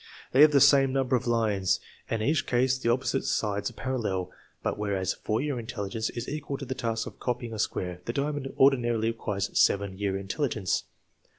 They have the same number of lines and in each case the opposite sides are parallel; but whereas 4 year intelligence is equal to the task of copying a square, the diamond ordinarily requires 7 year intelligence.